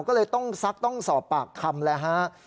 ก็เลยต้องศักดิ์ต้องสอบปากคำ